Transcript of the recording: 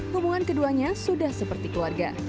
hubungan keduanya sudah seperti keluarga